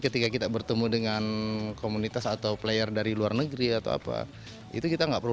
ketika kita bertemu dengan komunitas atau player dari luar negeri atau apa itu kita nggak perlu